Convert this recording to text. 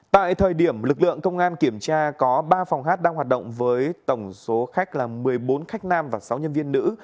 tại thời điểm lực lượng công an kiểm tra có ba phòng hát đang hoạt động với tổng số khách là một mươi bốn khách nam và sáu nhân viên nữ